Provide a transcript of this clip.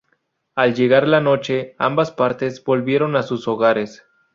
Al llegar la noche, ambas partes volvieron a sus hogares.